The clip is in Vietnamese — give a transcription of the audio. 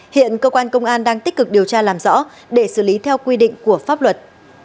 hiện cơ quan công an đang tích cực điều tra làm rõ để xử lý theo quy định của pháp luật